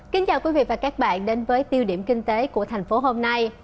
kính chào quý vị và các bạn đến với tiêu điểm kinh tế của thành phố hôm nay